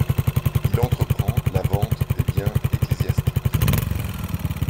Il entreprend la vente des biens ecclésiastiques.